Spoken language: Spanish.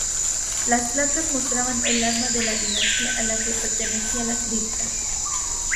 Las placas mostraban el arma de la dinastía a la que pertenecía la cripta.